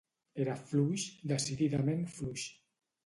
Era fluix, decididament fluix.